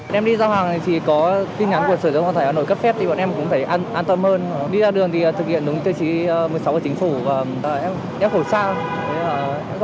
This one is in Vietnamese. tuy nhiên vẫn còn rất nhiều trường hợp đi giao hàng khi không hoặc chưa được sở giao thông vận tải cấp phép